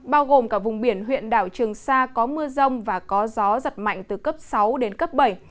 bao gồm cả vùng biển huyện đảo trường sa có mưa rông và có gió giật mạnh từ cấp sáu đến cấp bảy